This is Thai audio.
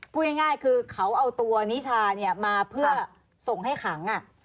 พูดง่ายคือเขาเอาตัวนิชามาเพื่อส่งให้ขัง